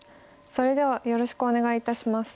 それではよろしくお願いいたします。